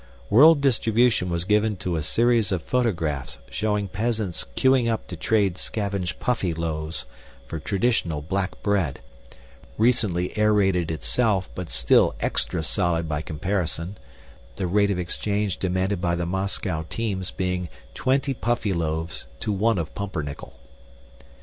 World distribution was given to a series of photographs showing peasants queueing up to trade scavenged Puffyloaves for traditional black bread, recently aerated itself but still extra solid by comparison, the rate of exchange demanded by the Moscow teams being twenty Puffyloaves to one of pumpernickel.